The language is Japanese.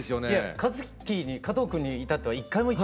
和樹に加藤君に至っては一回も。